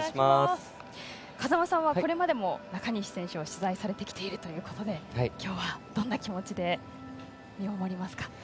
風間さんはこれまでも中西選手を取材されてきているということで今日は、どんな気持ちで見守りますか。